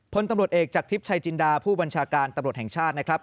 พลตำรวจเอกจากทิพย์ชายจินดาผู้บัญชาการตำรวจแห่งชาตินะครับ